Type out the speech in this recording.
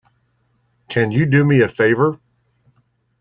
Can you do me a favor?